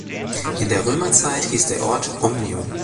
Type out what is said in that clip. In der Römerzeit hieß der Ort Omnium.